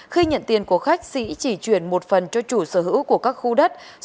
khi nhận tiền của khách sĩ chỉ chuyển một phần cho chủ sở hữu của các khu đất